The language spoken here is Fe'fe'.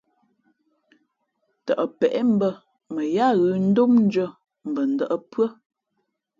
Tαʼ peʼe mbᾱ mα yáá ghʉ̌ ndómndʉ̄ᾱ mbα ndα̌ʼ pʉ́ά.